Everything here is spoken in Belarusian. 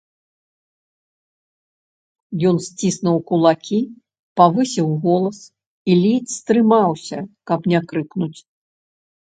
Ён сціснуў кулакі, павысіў голас і ледзь стрымаўся, каб не крыкнуць.